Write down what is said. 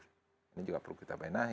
ini juga perlu kita benahi